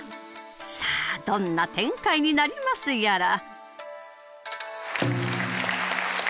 さあどんな展開になりますやら。